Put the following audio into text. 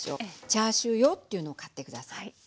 チャーシュー用っていうのを買って下さい。